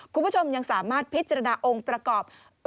คุณผู้ชมยังสามารถพิจารณาองค์ประกอบ